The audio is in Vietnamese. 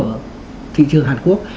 ở thị trường hàn quốc